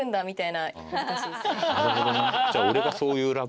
なるほどね。